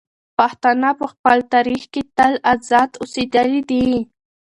پښتانه په خپل تاریخ کې تل ازاد اوسېدلي دي.